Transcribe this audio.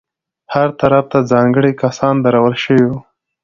هر طرف ته ځانګړي کسان درول شوي وو.